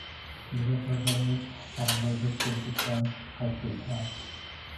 Bizdan so‘rasangiz, Karimboy, biz ko‘pkaridan qaytdik, ha!